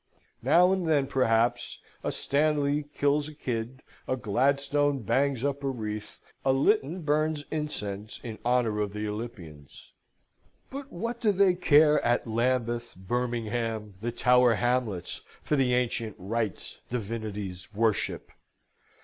Now and then, perhaps, a Stanley kills a kid, a Gladstone bangs up a wreath, a Lytton burns incense, in honour of the Olympians. But what do they care at Lambeth, Birmingham, the Tower Hamlets, for the ancient rites, divinities, worship?